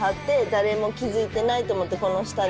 誰も気付いてないと思ってこの下で。